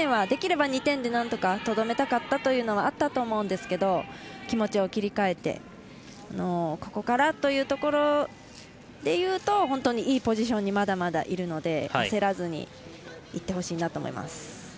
できれば２点でとどめたかったというのがあったと思うんですが気持ちを切り替えてここからというところでいうと本当に、いいポジションにまだまだいるので焦らずにいってほしいなと思います。